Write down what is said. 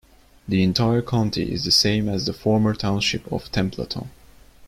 The entire county is the same as the former Township of Templeton.